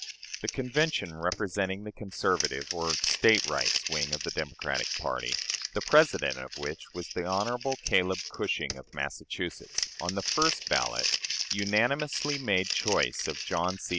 The Convention representing the conservative, or State Rights, wing of the Democratic party (the President of which was the Hon. Caleb Cushing, of Massachusetts), on the first ballot, unanimously made choice of John C.